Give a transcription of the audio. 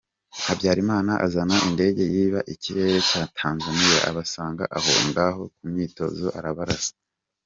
Habyarima azana indege yiba ikirere cya Tanzania abasanga aho ngaho ku myitozo arabarasa.